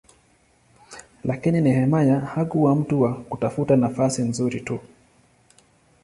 Lakini Nehemia hakuwa mtu wa kutafuta nafasi nzuri tu.